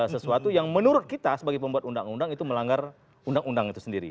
sesuatu yang menurut kita sebagai pembuat undang undang itu melanggar undang undang itu sendiri